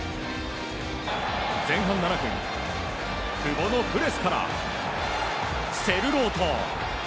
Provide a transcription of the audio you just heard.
前半７分、久保のプレスからセルロート。